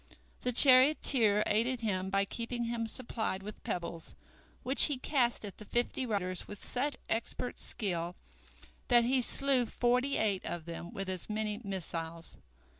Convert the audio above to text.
The charioteer aided him by keeping him supplied with pebbles, which he cast at the fifty riders with such expert skill that he slew forty eight of them with as many missiles.